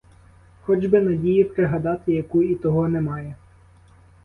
Хоч би надію пригадати яку — і того немає.